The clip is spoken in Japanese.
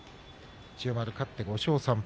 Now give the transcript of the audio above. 千代丸勝って５勝３敗。